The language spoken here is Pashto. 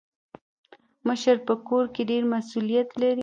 مشر په کور کي ډير مسولیت لري.